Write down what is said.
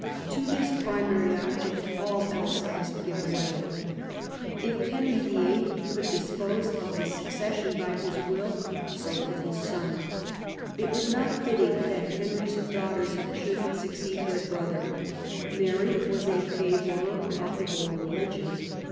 To this primary object all else must give way. If Henry VIII. could dispose of the succession by his will, so could his son. It was not fitting that Henry's daughters should succeed their brother. Mary was a favourer of the old religion.